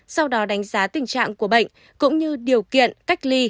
sau đó đánh giá tình trạng của bệnh cũng như điều kiện cách ly